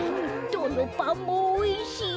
どのパンもおいしい！